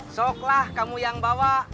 sok lah kamu yang bawa